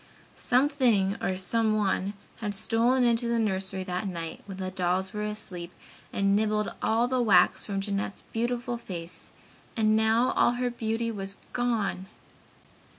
Something or someone had stolen into the nursery that night when the dolls were asleep and nibbled all the wax from Jeanette's beautiful face and now all her beauty was gone!